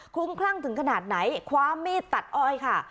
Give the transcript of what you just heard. คุ้มคลั่งถึงขนาดไหนคว้ามีดตัดอ้อยค่ะ